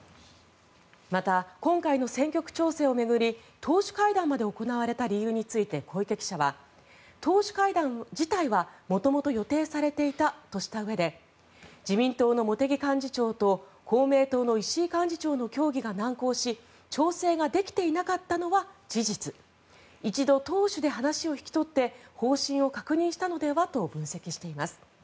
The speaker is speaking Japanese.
また、今回の選挙区調整を巡り党首会談まで行われた理由について小池記者は、党首会談自体は元々予定されていたとしたうえで自民党の茂木幹事長と公明党の石井幹事長の協議が難航し調整ができていなかったのは事実一度、党首で話を引き取って方針を確認したのではと分析しています。